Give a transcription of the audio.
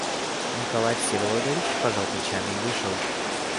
Николай Всеволодович пожал плечами и вышел.